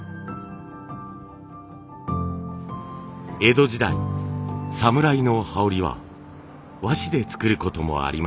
江戸時代侍の羽織は和紙で作ることもありました。